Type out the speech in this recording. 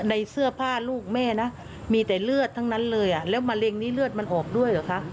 ในเสื้อผ้าลูกแม่นะมีแต่เลือดทั้งนั้นเลยอ่ะแล้วมะเร็งนี้เลือดมันออกด้วยเหรอคะ